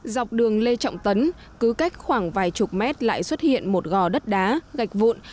dọc đường lê trọng tấn cứ cách khoảng vài chục mét lại xuất hiện một gò đất đá gạch vụn